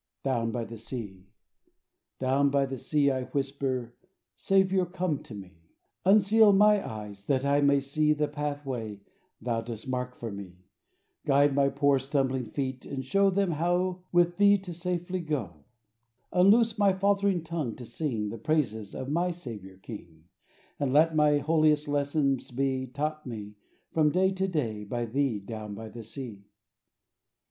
Down by the sea, down by the sea, I whisper, Saviour, come to me! Unseal my eyes, that I may see The pathway Thou dost mark for me. Guide my poor, stumbling feet, and show Them how with Thee to safely go. Digitized by Google Digitized by Google DOWN BY THE SEA. 89 Unloose my faltering tongue to sing The praises of my Saviour King; And let my holiest lessons be Taught me, from day to day, by Thee Down by the sea.